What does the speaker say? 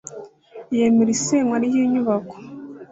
yemera isenywa ry inyubako